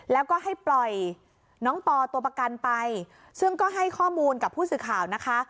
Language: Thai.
แล้วก็ให้ปล่อยน้องปอตัวประกันไปซึ่งก็ให้ข้อมูลกับผู้สื่อข่าวนะคะ